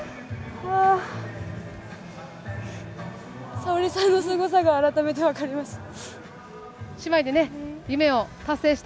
沙保里さんのすごさが、改めて分かりました。